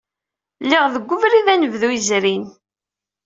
Lliɣ deg ubrid anebdu yezrin.